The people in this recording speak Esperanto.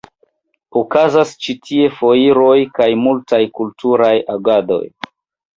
Okazas ĉi tie foiroj kaj multaj kulturaj agadoj.